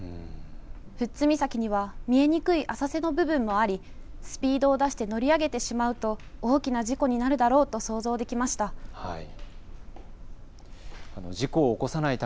富津岬には見えにくい浅瀬の部分もありスピードを出して乗り上げてしまうと大きな事故になるだろうと想像できました。